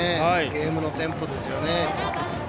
ゲームのテンポですよね。